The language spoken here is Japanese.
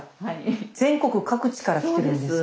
全国各地から来てるんですか？